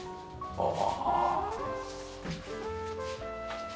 ああ！